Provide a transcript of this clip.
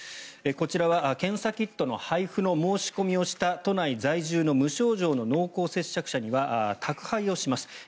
こちらは検査キットの配布の申し込みをした都内在住の無症状の濃厚接触者には宅配をします。